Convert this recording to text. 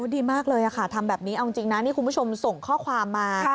ดีมากเลยค่ะทำแบบนี้เอาจริงนะนี่คุณผู้ชมส่งข้อความมา